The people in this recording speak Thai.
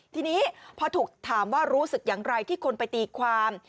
ทีนี้พอถูกถามว่ารู้สึกอย่างไรที่คนไปตีความ